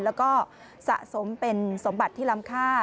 แล้วก็สะสมเป็นสมบัติที่ล้ำค่า